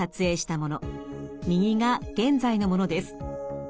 右が現在のものです。